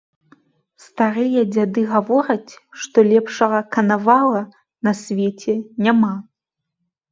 Старыя дзяды гавораць, што лепшага канавала на свеце няма.